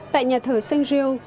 tại nhà thờ st gilles